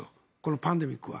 パンデミックは。